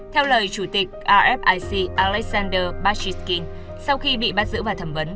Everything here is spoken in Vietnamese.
theo lời chủ tịch rfic alexander pachyshkin sau khi bị bắt giữ và thẩm vấn